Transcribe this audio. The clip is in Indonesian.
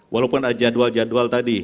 walaupun jadwal jadwal tadi